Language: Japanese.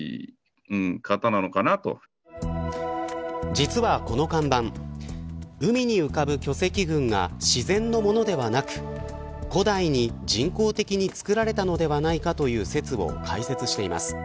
実はこの看板海に浮かぶ巨石群が自然のものではなく古代に人工的に作られたのではないかという説を解説しています。